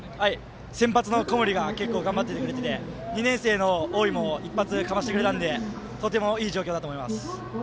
先発の小森が結構頑張ってくれてて２年生の大井も一発かましてくれたのでとてもいい状況だと思います。